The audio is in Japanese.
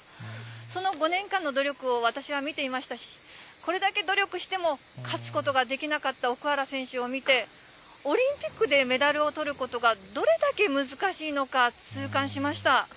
その５年間の努力を私は見ていましたし、これだけ努力しても、勝つことができなかった奥原選手を見て、オリンピックでメダルをとることがどれだけ難しいのか、痛感しました。